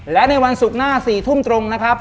และในวันศุกร์หน้า๔ทุ่มตรงนะครับ